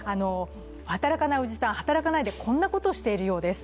「働かないおじさん」、働かないでこんなことをしているようです。